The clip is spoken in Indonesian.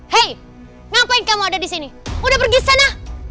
hei ngapain kamu ada di sini udah pergi sana